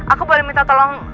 aku boleh minta tolong